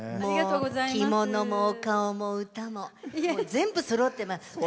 着物も、お顔も、歌も全部そろってます。